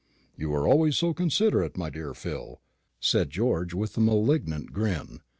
"You are always so considerate, my dear Phil," said George, with a malignant grin.